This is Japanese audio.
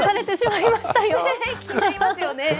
気になりますよね。